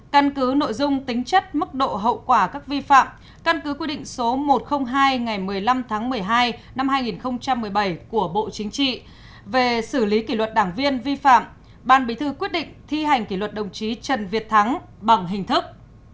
căn cứ nội dung tính chất mức độ hậu quả các vi phạm căn cứ quy định số một trăm linh hai ngày một mươi năm tháng một mươi hai năm hai nghìn một mươi bảy của bộ chính trị về xử lý kỷ luật đảng viên vi phạm ban bí thư quyết định thi hành kỷ luật đồng chí trần việt thắng bằng hình thức